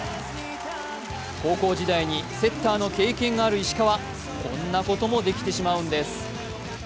高校時代にセッターの経験がある石川こんなこともできてしまうんです。